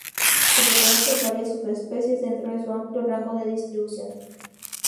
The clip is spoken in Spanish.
Se reconocen varias subespecies dentro de su amplio rango de distribución.